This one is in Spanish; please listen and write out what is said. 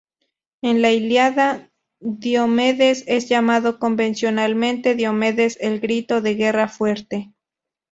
En la "Ilíada", Diomedes es llamado convencionalmente Diomedes el grito de guerra fuerte.